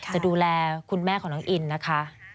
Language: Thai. จะดูแลคุณแม่ของน้องอินนะคะ